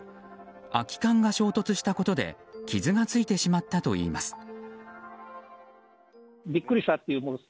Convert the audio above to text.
空き缶が衝突したことで傷がついてしまったといいます。